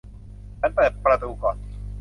ฉันเปิดประตูก่อน